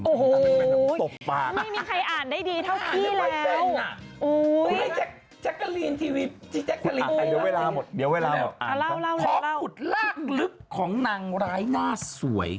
ขอบุตรล่างลึกของนางร้ายหน้าสวย